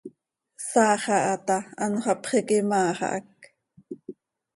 Saa xaha taa anxö hapx iiquim áa xac.